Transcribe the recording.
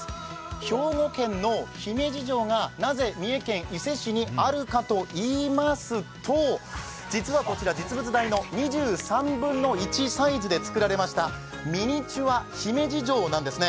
兵庫県の姫路城がなぜ三重県伊勢市にあるかといいますと実はこちら、実物大の２３分の１サイズで作られましたミニチュア姫路城なんですね。